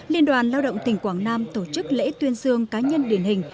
liên đoàn lao động tỉnh quảng nam tổ chức lễ tuyên dương cá nhân điển hình